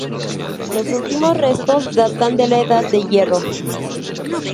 Los últimos restos datan de la Edad de Hierro.